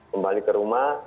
kembali ke rumah